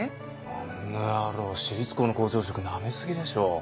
あの野郎私立校の校長職ナメ過ぎでしょ。